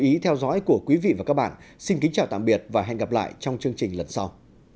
xin kính theo dõi của quý vị và các bạn xin kính chào tạm biệt và hẹn gặp lại trong chương trình lần sau